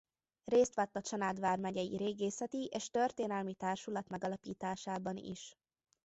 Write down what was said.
Részt vett a Csanád vármegyei Régészeti és Történelmi Társulat megalapításában is.